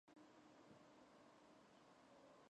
სულ სხვადასხვანაირად არიან შეფერილი.